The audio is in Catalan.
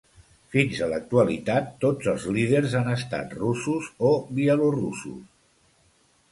Fins a l'actualitat, tots els líders han estat russos o bielorussos.